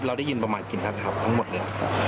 เราได้ยินประมาณกินทัศน์ครับทั้งหมดเลย